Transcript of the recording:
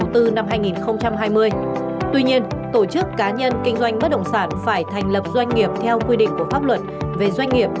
tuy nhiên tổ chức cá nhân kinh doanh bất động sản phải thành lập doanh nghiệp theo quy định của pháp luật về doanh nghiệp